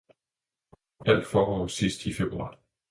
alt forår sidst i februar!